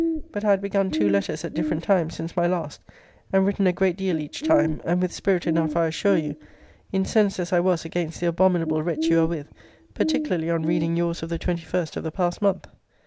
But I had begun two letters at different times since my last, and written a great deal each time; and with spirit enough I assure you; incensed as I was against the abominable wretch you are with; particularly on reading your's of the 21st of the past month.